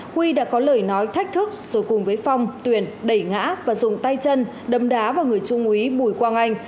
huy đã có lời nói thách thức rồi cùng với phong tuyền đẩy ngã và dùng tay chân đâm đá vào người trung úy bùi quang anh